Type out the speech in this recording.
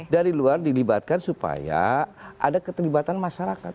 dari luar dilibatkan supaya ada keterlibatan masyarakat